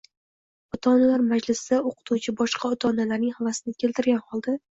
ota-onalar majlisida o‘qituvchi boshqa ota-onalarning havasini keltirgan holda